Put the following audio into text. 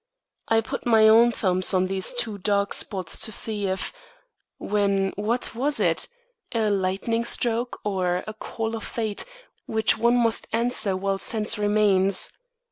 I put my own thumbs on these two dark spots to see if when what was it? A lightning stroke or a call of fate which one must answer while sense remains?